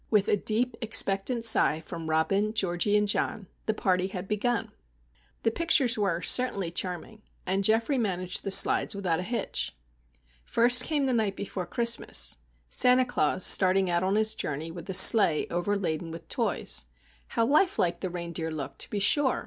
With a deep, expectant sigh from Robin, Georgie, and John, the party had begun! The pictures were certainly charming, and Geoffrey managed the slides without a hitch. First came "The Night before Christmas":—Santa Claus starting out on his journey with a sleigh overladen with toys. How life like the reindeer looked, to be sure!